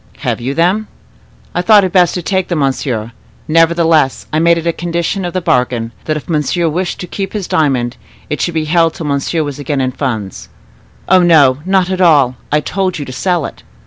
"Have you them?" "I thought it best to take them, monsieur; nevertheless, I made it a condition of the bargain, that if monsieur wished to keep his diamond, it should be held till monsieur was again in funds." "Oh, no, not at all: I told you to sell it."